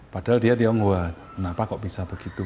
padahal dia tionghoa kenapa kok bisa begitu